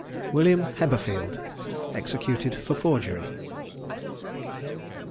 WILLIAM HEBBERFIELD. EXECUTED FOR FORGERY.